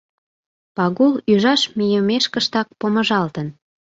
Пагул ӱжаш мийымешкыштак помыжалтын.